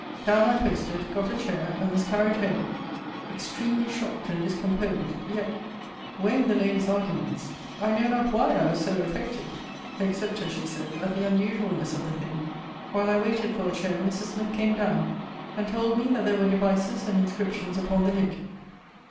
Down I posted; got a chair; and was carried home, extremely shocked and discomposed: yet, weighing the lady's arguments, I know not why I was so affected except, as she said, at the unusualness of the thing. While I waited for a chair, Mrs. Smith came down, and told me that there were devices and inscriptions upon the lid.